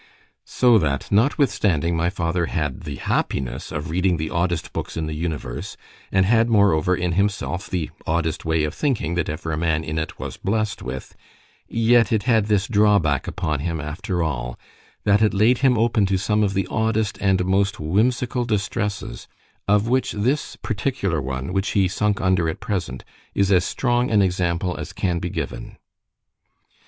_"—So that notwithstanding my father had the happiness of reading the oddest books in the universe, and had moreover, in himself, the oddest way of thinking that ever man in it was bless'd with, yet it had this drawback upon him after all——that it laid him open to some of the oddest and most whimsical distresses; of which this particular one, which he sunk under at present, is as strong an example as can be given.